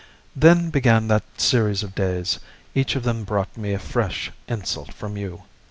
Then began that series of days; each of them brought me a fresh insult from you.